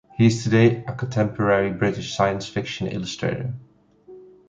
He is today a contemporary British science fiction illustrator.